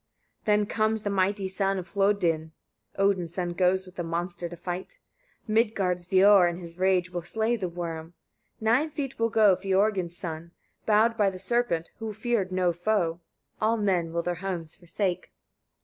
55. Then comes the mighty son of Hlôdyn: (Odin's son goes with the monster to fight); Midgârd's Veor in his rage will slay the worm. Nine feet will go Fiörgyn's son, bowed by the serpent, who feared no foe. All men will their homes forsake.